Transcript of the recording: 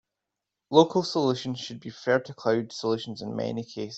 Local solutions should be preferred to cloud solutions in many cases.